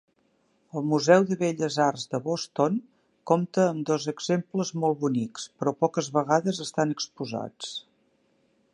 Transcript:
El Museu de Belles Arts de Boston compta amb dos exemples molt bonics, però poques vegades estan exposats.